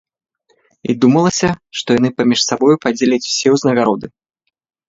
І думалася, што яны паміж сабой падзеляць усё ўзнагароды.